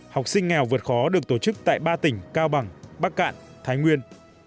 học sinh nghèo vượt khó được tổ chức tại ba tỉnh cao bằng bắc cạn thái nguyên